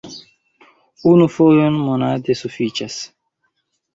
Unu fojon monate sufiĉas!